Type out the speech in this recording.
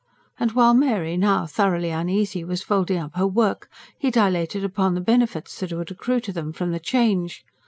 And while Mary, now thoroughly uneasy, was folding up her work, he dilated upon the benefits that would accrue to them from the change.